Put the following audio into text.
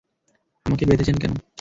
আমাকে বেঁধেছেন কেন?